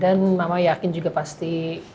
dan mama yakin juga pasti